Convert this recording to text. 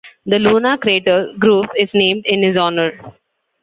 The lunar crater "Grove" is named in his honor.